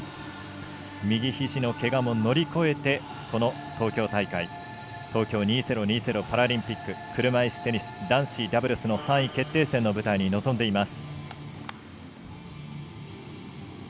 右ひじのけがも乗り越えて東京２０２０パラリンピック車いすテニス男子ダブルスの３位決定戦の舞台に臨んでいます。